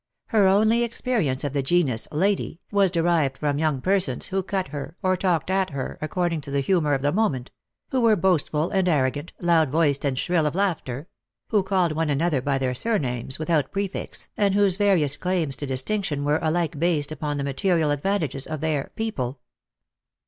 Her only experience of the genus " lady " was derived from young persons who cut her, or talked at her, according to the humour of the moment ; who were boastful and arrogant, loud voiced and shrill of laughter ; who called one another by their surnames without prefix, and whose various 190 Lost for Love. claims to distinction were alike based upon the material advan tages of their " people."